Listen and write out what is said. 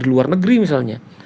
di luar negeri misalnya